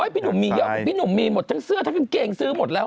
พี่หนุ่มมีเยอะพี่หนุ่มมีหมดทั้งเสื้อทั้งกางเกงซื้อหมดแล้ว